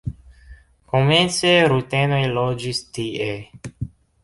Komence rutenoj loĝis tie.